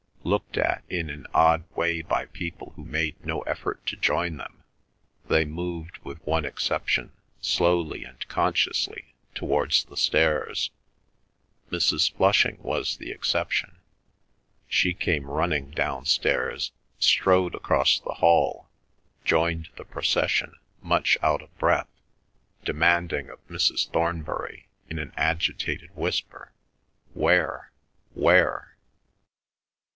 Looked at in an odd way by people who made no effort to join them, they moved with one exception slowly and consciously towards the stairs. Mrs. Flushing was the exception. She came running downstairs, strode across the hall, joined the procession much out of breath, demanding of Mrs. Thornbury in an agitated whisper, "Where, where?"